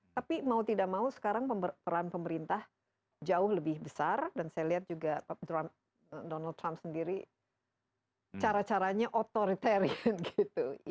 tapi mau tidak mau sekarang peran pemerintah jauh lebih besar dan saya lihat juga donald trump sendiri cara caranya otoritari gitu